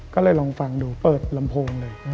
ก็เลยลองฟังดูเปิดลำโพงเลย